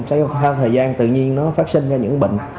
sau thời gian tự nhiên nó phát sinh ra những bệnh